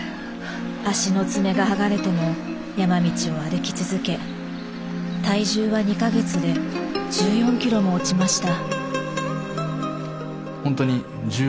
足の爪が剥がれても山道を歩き続け体重は２か月で１４キロも落ちました。